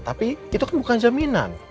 tapi itu kan bukan jaminan